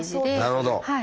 なるほど！